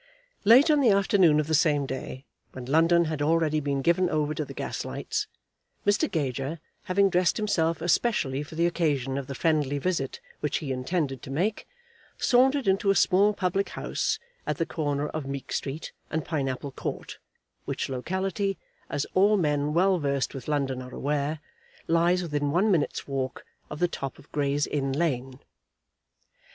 Late on the afternoon of the same day, when London had already been given over to the gaslights, Mr. Gager, having dressed himself especially for the occasion of the friendly visit which he intended to make, sauntered into a small public house at the corner of Meek Street and Pineapple Court, which locality, as all men well versed with London are aware, lies within one minute's walk of the top of Gray's Inn Lane.